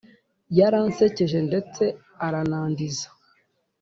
yaransekeje, ndetse aranandiza.